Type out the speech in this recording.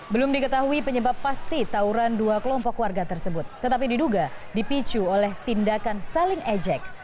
belum diketahui penyebab pasti tauran dua kelompok warga tersebut tetapi diduga dipicu oleh tindakan saling ejek